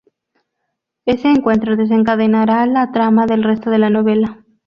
Ese encuentro desencadenará la trama del resto de la novela.